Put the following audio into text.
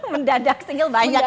mendadak single banyak